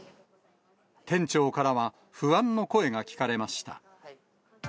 店長からは、不安の声が聞かれました。